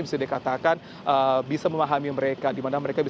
bisa dikatakan bisa memahami mereka